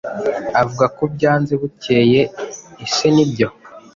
Avuga ko byanze bukeye, Ese nibyo?